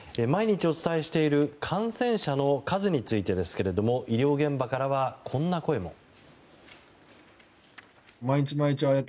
毎日お伝えしている感染者の数についてですけど医療現場からは、こんな声も。